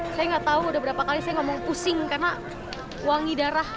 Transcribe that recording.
saya tidak tahu sudah berapa kali saya mengomong pusing karena wangi darah